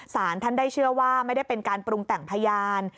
สารท่านได้เชื่อว่าไม่ได้เป็นการปรุงแต่งพยาน